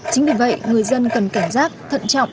chính vì vậy người dân cần cảnh giác thận trọng